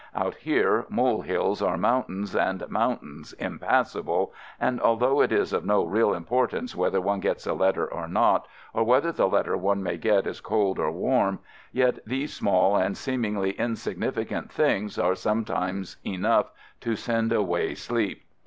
Out here, mole hills are mountains, and mountains — impassable, and although it is of no real importance whether one gets a letter or not, or whether the letter one may get is cold or warm, yet these small and seemingly in significant things are sometimes enough to send away sleep.